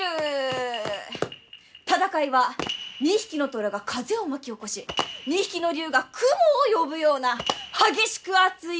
戦いは２匹の虎が風を巻き起こし２匹の竜が雲を呼ぶような激しく熱い命のやり取り！